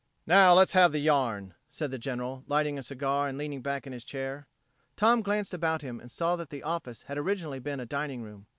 "Now let's have the yarn," said the General, lighting a cigar and leaning back in his chair. Tom glanced about him and saw that the office had originally been a dining room.